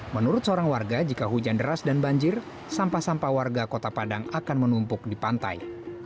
menurut seorang warga jika hujan deras dan banjir sampah sampah warga kota padang akan menumpuk di pantai